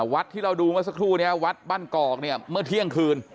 วัดที่เราดูเมื่อสักครู่นี้วัดบ้านกอกเนี่ยเมื่อเที่ยงคืน